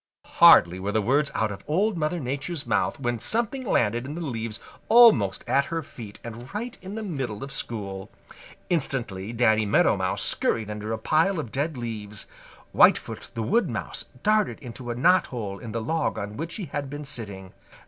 Hardly were the words out of Old Mother Nature's mouth when something landed in the leaves almost at her feet and right in the middle of school. Instantly Danny Meadow Mouse scurried under a pile of dead leaves. Whitefoot the Wood Mouse darted into a knothole in the log on which he had been sitting.